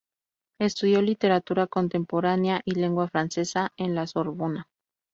Estudió literatura contemporánea y lengua francesa en la Sorbona.